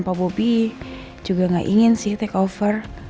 pak bobi juga gak ingin sih takeover